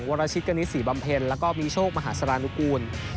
วรชิตกณิตศรีบำเพ็ญแล้วก็มีโชคมหาสารนุกูล